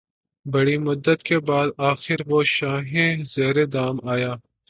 بڑی مدت کے بعد آخر وہ شاہیں زیر دام آیا